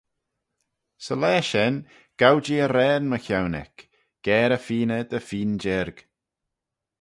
Sy laa shen gow-jee arrane mychione eck, Garey-feeyney dy feeyn jiarg.